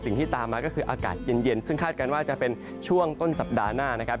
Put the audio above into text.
สิ่งที่ตามมาก็คืออากาศเย็นซึ่งคาดการณ์ว่าจะเป็นช่วงต้นสัปดาห์หน้านะครับ